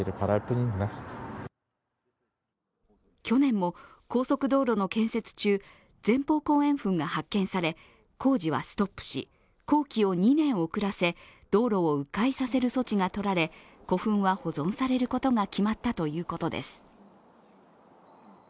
去年も高速道路の建設中、前方後円墳が発見され工事はストップし、工期を２年遅らせ道路をう回させる措置がとられ、古墳は保存されることが決まったということです。